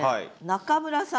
中村さん。